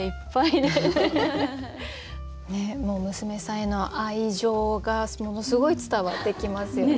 もう娘さんへの愛情がものすごい伝わってきますよね。